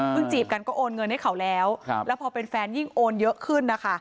จีบกันก็โอนเงินให้เขาแล้วแล้วพอเป็นแฟนยิ่งโอนเยอะขึ้นนะคะ